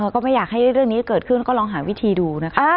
ก็ไม่อยากให้เรื่องนี้เกิดขึ้นก็ลองหาวิธีดูนะคะ